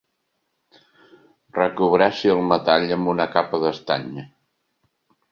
Recobreixi el metall amb una capa d'estany.